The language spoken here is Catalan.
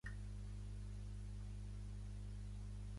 No en tenim prou que només ens deixin parlar i després tot continuï igual.